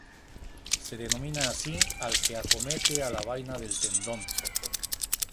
Se denomina así al que acomete a la vaina del tendón.